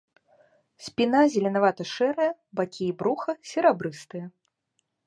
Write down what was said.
Спіна зеленавата-шэрая, бакі і бруха серабрыстыя.